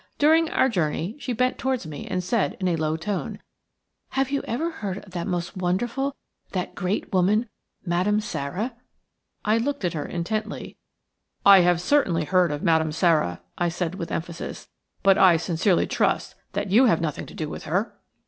During our journey she bent towards me and said, in a low tone:– "Have you ever heard of that most wonderful, that great woman, Madame Sara?" I looked at her intently. "'IT MUST BE DONE,' SHE SAID." "I have certainly heard of Madame Sara," I said, with emphasis, "but I sincerely trust that you have nothing to do with her."